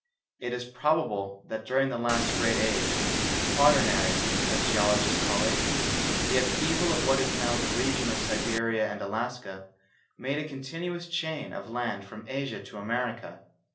It is probable that during the last great age, the Quaternary, as geologists call it, the upheaval of what is now the region of Siberia and Alaska, made a continuous chain of land from Asia to America.